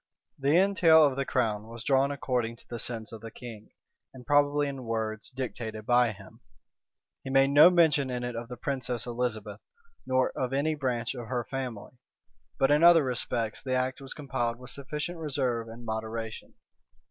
The entail of the crown was drawn according to the sense of the king, and probably in words dictated by him. He made no mention in it of the princess Elizabeth, nor of any branch of her family: but in other respects the act was compiled with sufficient reserve and moderation.